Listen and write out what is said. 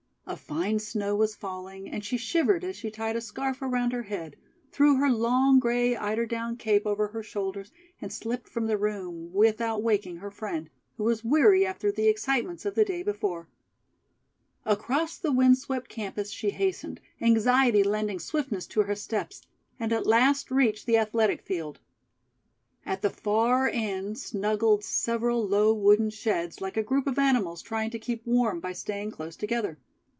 A fine snow was falling and she shivered as she tied a scarf around her head, threw her long gray eiderdown cape over her shoulders and slipped from the room, without waking her friend, who was weary after the excitements of the day before. Across the wind swept campus she hastened, anxiety lending swiftness to her steps, and at last reached the Athletic Field. At the far end snuggled several low wooden sheds like a group of animals trying to keep warm by staying close together.